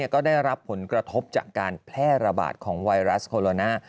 ก็ได้รับผลกระทบจากการแพร่ระบาดของไวรัสโคโรนา